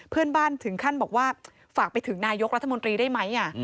เพื่อนบ้านถึงขั้นบอกว่าฝากไปถึงนายกรัฐมนตรีได้ไหม